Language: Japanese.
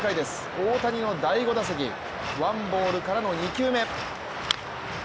大谷の第５打席、ワンボールからの２球目。